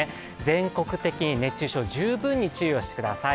全国的に熱中症、十分に注意をしてください。